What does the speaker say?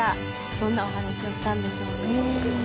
どんなお話をしたんでしょうね。